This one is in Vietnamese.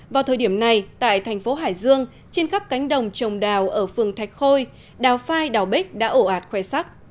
vào thời điểm này tại thành phố hải dương trên khắp cánh đồng trồng đào ở phường thạch khôi đào phai đào bích đã ổ ạt khoe sắc